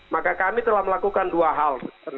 maka kami telah melakukan dua hal